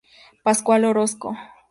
Pascual Orozco.